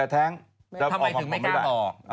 ทำไมถึงไม่กล้าบอก